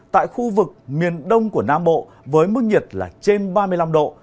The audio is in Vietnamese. tại khu vực miền đông của nam bộ với mức nhiệt là trên ba mươi năm độ